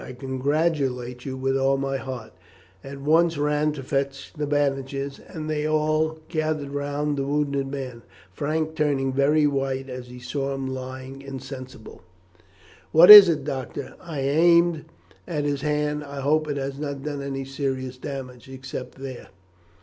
I congratulate you with all my heart," at once ran to fetch the bandages, and they all gathered round the wounded man, Frank turning very white as he saw him lying insensible. "What is it, doctor? I aimed at his hand. I hope it has not done any serious damage, except there."